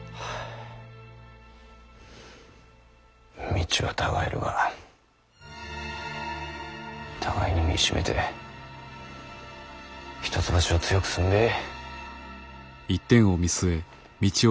道は違えるが互いに身ぃしめて一橋を強くすんべぇ。